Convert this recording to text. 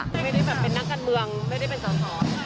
ไม่ได้แบบเป็นนักการเมืองไม่ได้เป็นสอสอ